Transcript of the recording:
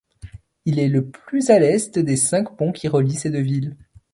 Il est le plus à l'est des cinq ponts qui relient ces deux villes.